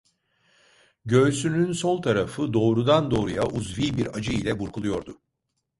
Göğsünün sol tarafı doğrudan doğruya uzvi bir acı ile burkuluyordu.